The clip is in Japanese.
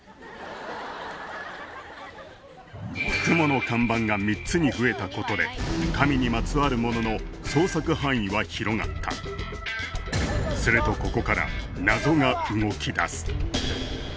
雲の看板が３つに増えたことで神にまつわるものの捜索範囲は広がったするとここから神！